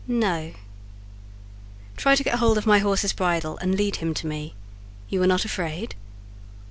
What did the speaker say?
"No." "Try to get hold of my horse's bridle and lead him to me: you are not afraid?"